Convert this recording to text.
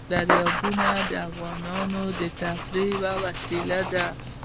دریابونه د افغانانو د تفریح یوه وسیله ده.